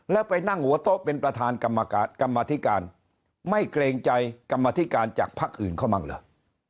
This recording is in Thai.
แล้วไปนั่งหัวโต๊ะเป็นประธานกรรมธิการไม่เกรงใจกรรมธิการจากพักอื่นเขาบ้างเหรอ